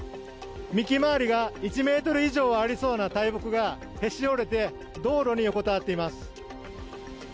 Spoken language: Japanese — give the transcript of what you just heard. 幹周りが１メートル以上ありそうな大木が、へし折れて道路に横たわっています。